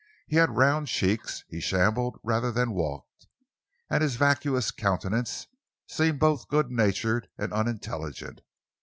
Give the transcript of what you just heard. He had round cheeks, he shambled rather than walked, and his vacuous countenance seemed both good natured and unintelligent.